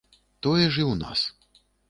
Тое ж і ў нас.